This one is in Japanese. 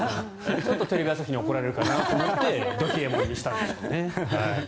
ちょっとテレビ朝日に怒られるかなと思ってど冷えもんにしたんですね。